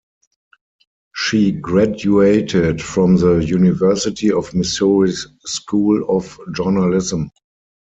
She graduated from the University of Missouri's School of Journalism.